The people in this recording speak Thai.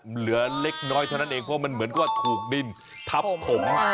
เหลือเล็กน้อยเท่านั้นเองเพราะมันเหมือนก็ถูกดินทับถม